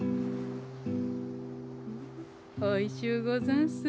おいしゅうござんす。